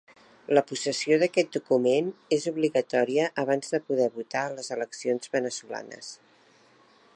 La possessió d'aquest document és obligatòria abans de poder votar a les eleccions veneçolanes.